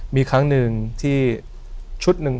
มีครั้งนึงที่ชุดนึง